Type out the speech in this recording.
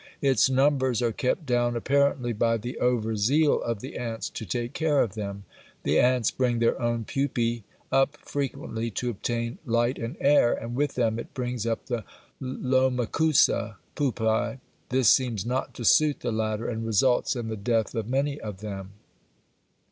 Its numbers are kept down apparently by the overzeal of the ants to take care of them. The ants bring their own pupæ up frequently to obtain light and air and with them it brings up the Lomechusa pupæ this seems not to suit the latter and results in the death of many of them.